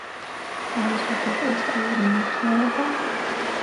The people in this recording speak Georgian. არის უფერო კრისტალური ნივთიერება.